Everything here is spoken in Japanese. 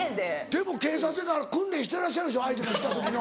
でも警察やから訓練してらっしゃるでしょ相手がきた時の。